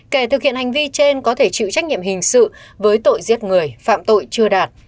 kể thực hiện hành vi trên có thể chịu trách nhiệm hình sự với tội giết người phạm tội chưa đạt